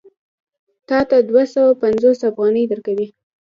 تا ته دوه سوه پنځوس افغانۍ درکوي